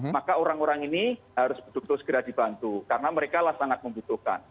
maka orang orang ini harus betul betul segera dibantu karena mereka lah sangat membutuhkan